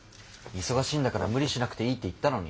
忙しいんだから無理しなくていいって言ったのに。